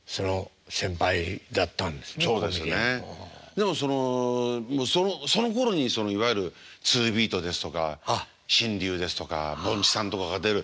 でもそのころにいわゆるツービートですとか紳竜ですとかぼんちさんとかが出る。